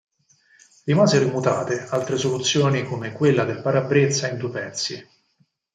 Rimasero immutate altre soluzioni come quella del parabrezza in due pezzi.